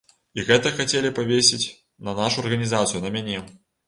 І гэта хацелі павесіць на нашу арганізацыю, на мяне.